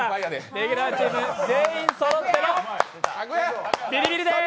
レギュラーチーム全員そろってのビリビリです。